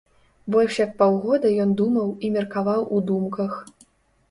Больш як паўгода ён думаў, і меркаваў у думках.